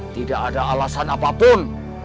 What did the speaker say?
tidak ada alasan apapun